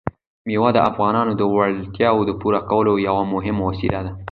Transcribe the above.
مېوې د افغانانو د اړتیاوو د پوره کولو یوه مهمه وسیله ده.